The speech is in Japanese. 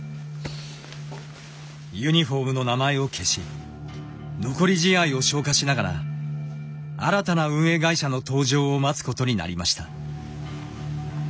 ユニホームの名前を消し残り試合を消化しながら新たな運営会社の登場を待つことになりました。